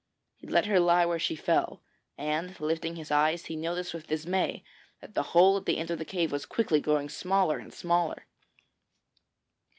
He let her lie where she fell, and lifting his eyes he noticed with dismay that the hole at the end of the cave was quickly growing smaller and smaller.